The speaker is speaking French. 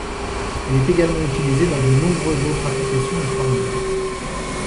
Elle est également utilisée dans de nombreuses autres applications et formules.